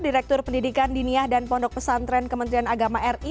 direktur pendidikan diniah dan pondok pesantren kementerian agama ri